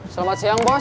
selamat siang bos